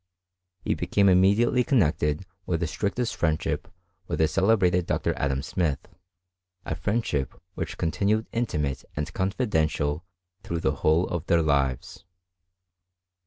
He became imme diately connected in the strictest friendship with the celebrated Dr. Adam Smith — a friendship which con tinued intimate and confidential through the whole of their lives.